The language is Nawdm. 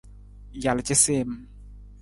Jal casiim.